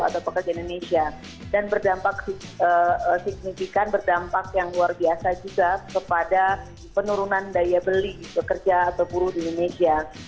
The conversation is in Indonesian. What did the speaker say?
atau pekerja indonesia dan berdampak signifikan berdampak yang luar biasa juga kepada penurunan daya beli pekerja atau buruh di indonesia